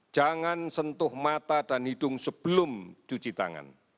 jangan sentuh mata dan hidung sebelum cuci tangan